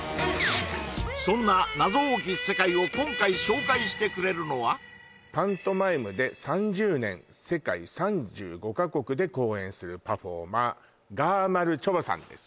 そんな謎多き世界を今回紹介してくれるのはパントマイムで３０年世界３５か国で公演するパフォーマーがまるちょばさんです